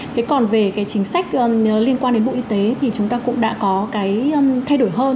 thế còn về cái chính sách liên quan đến bộ y tế thì chúng ta cũng đã có cái thay đổi hơn